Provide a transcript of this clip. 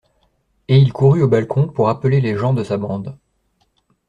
Et il courut au balcon pour appeler les gens de sa bande.